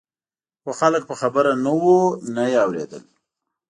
خو خلک په خبره نه وو نه یې اورېدل.